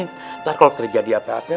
ntar kalau terjadi apa apa